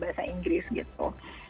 bahasa inggris gitu